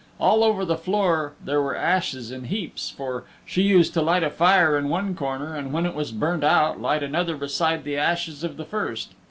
All over the floor there were ashes in heaps, for she used to light a fire in one corner and when it was burnt out light another beside the ashes of the first.